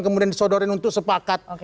kemudian disodorin untuk sepakat